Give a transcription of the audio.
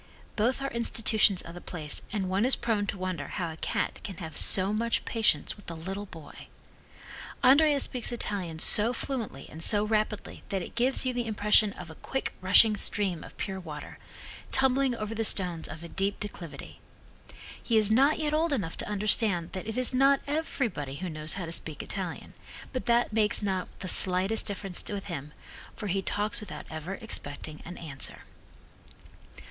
Both are institutions of the place and one is, prone to wonder how a cat can have so much patience with a little boy. Andrea speaks Italian so fluently and so rapidly that it gives you the impression of a quick rushing stream of pure water, tumbling over the stones of a steep declivity. He is not yet old enough to understand that it is not everybody who knows how to speak Italian, but that makes not the slightest difference with him, for he talks without ever expecting an answer.